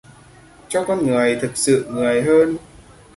Cho con người thực sự Người hơn.